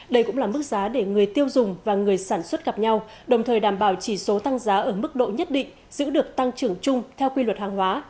đây cũng là mức giá để người tiêu dùng và người sản xuất gặp nhau đồng thời đảm bảo chỉ số tăng giá ở mức độ nhất định giữ được tăng trưởng chung theo quy luật hàng hóa